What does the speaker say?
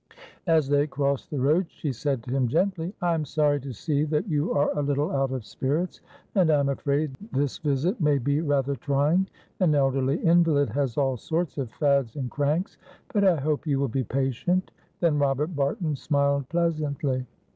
As they crossed the road she said to him, gently: "I am sorry to see that you are a little out of spirits, and I am afraid this visit may be rather trying an elderly invalid has all sorts of fads and cranks but I hope you will be patient." Then Robert Barton smiled pleasantly.